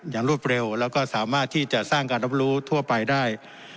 รวดเร็วแล้วก็สามารถที่จะสร้างการรับรู้ทั่วไปได้